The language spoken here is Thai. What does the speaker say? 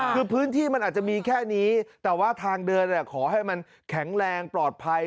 คือพื้นที่มันอาจจะมีแค่นี้แต่ว่าทางเดินขอให้มันแข็งแรงปลอดภัย